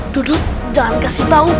duduk jangan kasih tahu